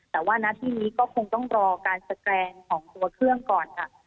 แต่ว่าณที่นี้ก็คงต้องรอการสแกรนของตัวเครื่องก่อนค่ะ